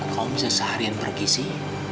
kalau bisa seharian pergi sih